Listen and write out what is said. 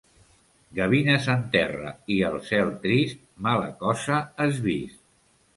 Gavines en terra i el cel trist, mala cosa has vist.